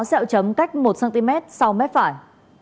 xeo chấm cách một cm sau mết phải